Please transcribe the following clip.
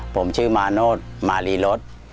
ผมชื่อมาโนธมารีรส